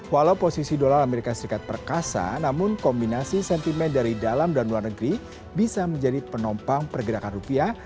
walau posisi dolar as perkasa namun kombinasi sentimen dari dalam dan luar negeri bisa menjadi penompang pergerakan rupiah